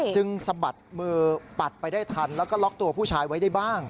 สะบัดมือปัดไปได้ทันแล้วก็ล็อกตัวผู้ชายไว้ได้บ้าง